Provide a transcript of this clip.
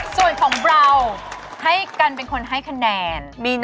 ส่วนของเราให้กันเป็นคนให้คะแนน